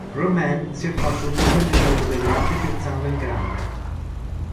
Romain si è fatto un nome nel mondo dell'arte pensando in grande.